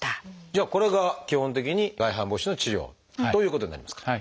じゃあこれが基本的に外反母趾の治療ということになりますか？